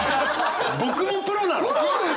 僕もプロなの！？